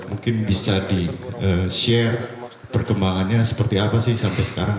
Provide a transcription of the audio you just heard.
mungkin bisa di share perkembangannya seperti apa sih sampai sekarang